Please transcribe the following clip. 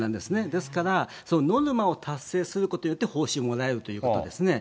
ですから、ノルマを達成することによって、報酬がもらえるということですね。